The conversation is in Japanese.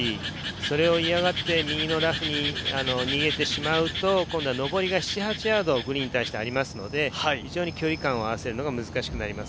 それを嫌がって右のラフに逃げてしまうと、今度は上りが７８ヤード、グリーンに対してありますので非常に距離感を合わせるのが難しくなります。